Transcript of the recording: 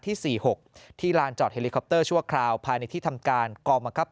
ที่๔๖ที่ลานจอดเฮลิคอปเตอร์ชั่วคราวภายในที่ทำการกองบังคับ